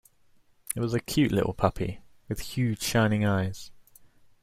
It was a cute little puppy, with huge shining eyes.